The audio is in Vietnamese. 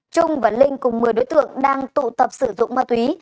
trung và linh cùng một mươi đối tượng đang tụ tập sử dụng ma túy